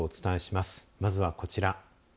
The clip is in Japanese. まずはこちら。